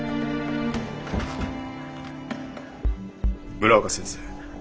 村岡先生。